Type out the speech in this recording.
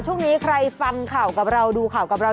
ช่วงนี้ใครฟังข่าวกับเราดูข่าวกับเรา